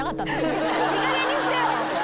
いいかげんにしてよ。